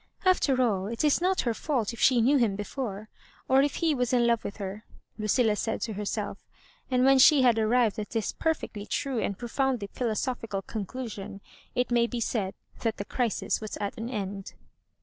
''After all, it is not her fault if she knew him before, or if he was in love with her,*' Lucilla said to herself. And when she had arrived at this perfectly true and profoundly philosophical conclusion, it may be said that the crisis was at an end.